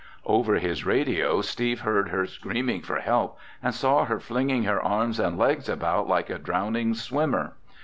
Over his radio, Steve heard her screaming for help and saw her flinging her arms and legs about like a drowning swimmer.